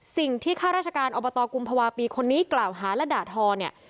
ข้าราชการอบตกุมภาวะปีคนนี้กล่าวหาและด่าทอเนี่ย